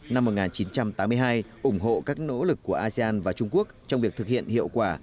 năm một nghìn chín trăm tám mươi hai ủng hộ các nỗ lực của asean và trung quốc trong việc thực hiện hiệu quả